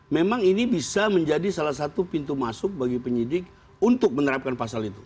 memang ini bisa menjadi salah satu pintu masuk bagi penyidik untuk menerapkan pasal itu